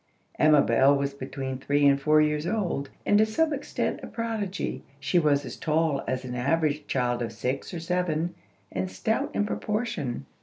Amabel was between three and four years old, and to some extent a prodigy. She was as tall as an average child of six or seven, and stout in proportion.